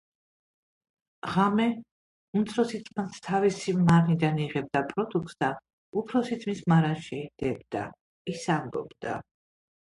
ღამე უმცროსი ძმაც თავისი მარნიდან იღებდა პროდუქტს და უფროსი ძმის მარანში დებდა. ის ამბობდა: